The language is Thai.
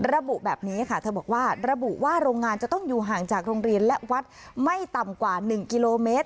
ระบุแบบนี้ค่ะเธอบอกว่าระบุว่าโรงงานจะต้องอยู่ห่างจากโรงเรียนและวัดไม่ต่ำกว่า๑กิโลเมตร